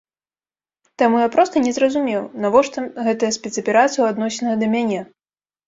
Таму я проста не зразумеў, навошта гэтая спецаперацыя ў адносінах да мяне.